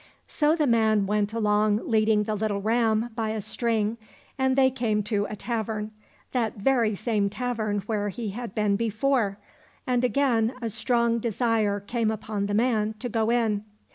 So the man went along leading the little ram by a string, and they came to a tavern, that very same tavern where he had been before, and again a strong desire came upon the man to go in.